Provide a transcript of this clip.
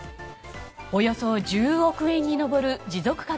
およそ１０億円に上る持続化